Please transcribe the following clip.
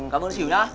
cảm ơn chịu nhé